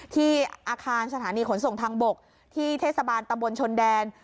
ที่อาคารสถานีขนส่งทางบกที่เทศบาลตำบลชนแดน